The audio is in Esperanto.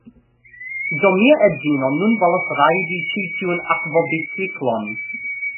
Do, mia edzino nun volas rajdi ĉi tiun akvobiciklon